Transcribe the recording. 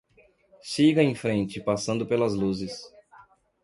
Siga em frente, passando pelas luzes.